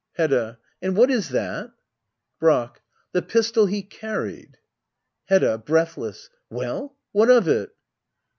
Hedda. And what is that ? Brack. The pistol he carried Hedda. [Breathless.] Well? What of it?